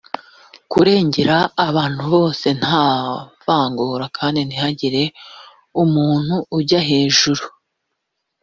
kurengera abantu bose nta vangura kandi ntihagire umuntu ujya hejuru